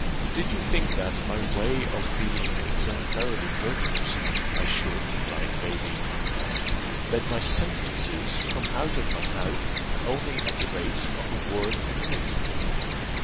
Did you think that, by way of being exemplarily virtuous, I should, like Lady Q , let my sentences come out of my mouth only at the rate of a word a minute?